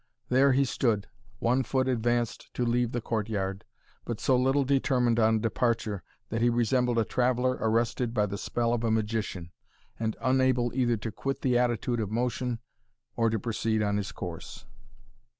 There he stood, one foot advanced to leave the court yard, but so little determined on departure, that he resembled a traveller arrested by the spell of a magician, and unable either to quit the attitude of motion, or to proceed on his course.